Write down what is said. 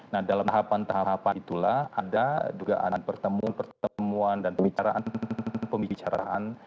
nah dalam tahapan tahapan itulah ada juga pertemuan pertemuan dan pembicaraan pembicaraan